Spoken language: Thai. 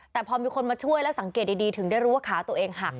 แต่พอมีคนมาช่วยแล้วสังเกตดีถึงได้รู้ว่าขาตัวเองหัก